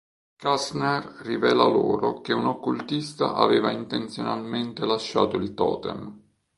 Kastner rivela loro che un occultista aveva intenzionalmente lasciato il totem.